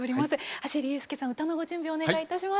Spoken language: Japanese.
走裕介さん歌のご準備をお願いいたします。